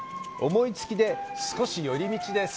思いつきで少し寄り道です！